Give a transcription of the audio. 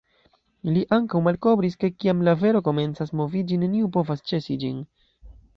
Li ankaŭ malkovris ke kiam la vero komencas moviĝi neniu povas ĉesi ĝin.